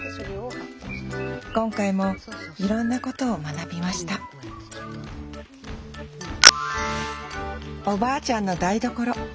今回もいろんなことを学びましたおばあちゃんの台所。